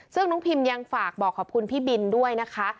ซึ่งน้องพิมยังฝากบอกขอบคุณพี่บินด้วยนะคะ